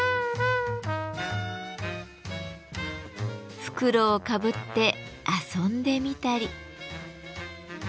袋をかぶって遊んでみたり。